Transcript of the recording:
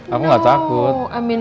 aku gak takut